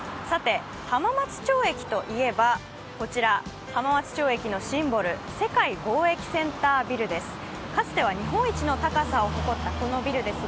浜松町駅といえばこちら、浜松町駅のシンボル、世界貿易センタービルです。